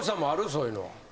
そういうのは。